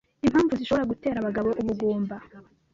impamvu zishobora gutera abagabo ubugumba